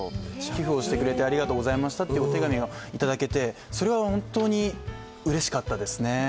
「寄付をしてくれてありがとうございました」っていうお手紙がいただけてそれは本当にうれしかったですね